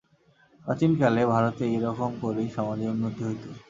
প্রাচীনকালে ভারতে এই-রকম করেই সমাজের উন্নতি হত।